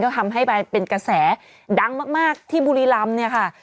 ก็ทำให้เป็นกระแสดังมากที่บุรีรำเนี่ยค่ะ